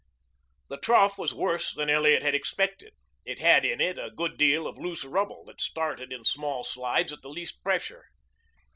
The trough was worse than Elliot had expected. It had in it a good deal of loose rubble that started in small slides at the least pressure.